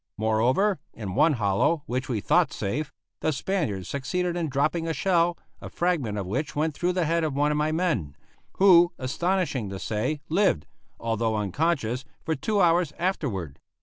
Moreover, in one hollow, which we thought safe, the Spaniards succeeded in dropping a shell, a fragment of which went through the head of one of my men, who, astonishing to say, lived, although unconscious, for two hours afterward.